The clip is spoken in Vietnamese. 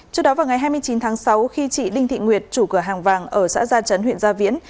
trước đó vào ngày hai mươi chín tháng sáu khi chị đinh thị nguyệt chủ cửa hàng vàng ở xã gia chấn huyện gia viễn